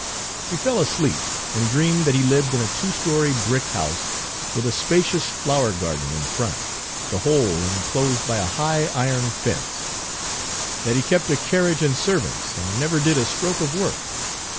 He fell asleep and dreamed that he lived in a two story brick house, with a spacious flower garden in front, Page 208 the whole inclosed by a high iron fence; that he kept a carriage and servants, and never did a stroke of work.